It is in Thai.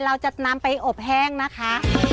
เราจะนำไปอบแห้งนะคะ